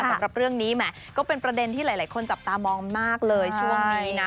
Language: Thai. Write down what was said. สำหรับเรื่องนี้แหมก็เป็นประเด็นที่หลายคนจับตามองมากเลยช่วงนี้นะ